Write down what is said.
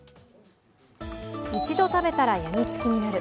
一度食べたら病みつきになる。